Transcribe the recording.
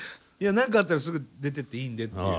何かあったらすぐ出てっていいんで。